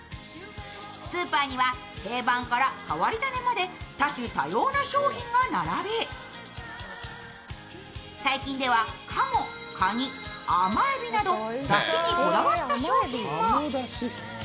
スーパーには定番から変わり種まで多種多様な商品が並び、最近では鴨、かに、甘えびなどだしにこだわった商品も。